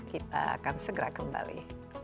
kita akan segera kembali